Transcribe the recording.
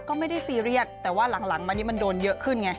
ก็ไม่ได้ซีเรียสแต่ว่าหลังมานี่มันโดนเยอะขึ้นไง